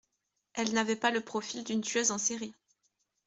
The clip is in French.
Elle n’avait pas le profil d’une tueuse en série